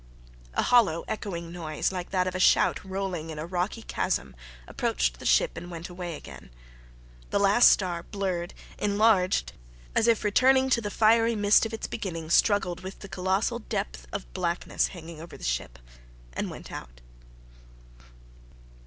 A hollow echoing noise, like that of a shout rolling in a rocky chasm, approached the ship and went away again. The last star, blurred, enlarged, as if returning to the fiery mist of its beginning, struggled with the colossal depth of blackness hanging over the ship and went out.